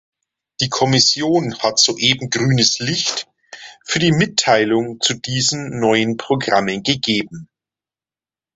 Die Kommission hat soeben grünes Licht für die Mitteilung zu diesen neuen Programmen gegeben.